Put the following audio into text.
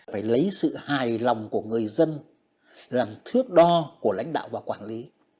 phải lấy sự hài lòng của người dân làm thước đo của lãnh đạo và quản lý